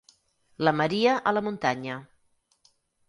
La Maria a la muntanya.